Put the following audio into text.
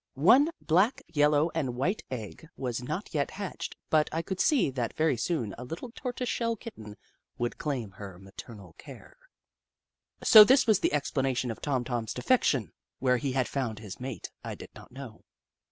One black, yellow, and white egg was not yet hatched, but I could see that very soon a little tortoise shell kitten would claim her maternal care. So this was the explanation of Tom Tom's defection ! Where he had found his mate, I did not know.